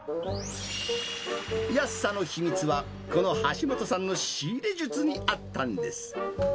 安さの秘密は、この橋本さんの仕入れ術にあったんです。